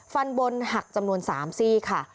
ฟันบนหักจำนวน๓ซี่ค่ะ